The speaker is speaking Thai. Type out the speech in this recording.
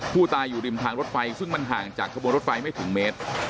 ผู้ตายอยู่ริมทางรถไฟซึ่งมันห่างจากขบวนรถไฟไม่ถึงเมตร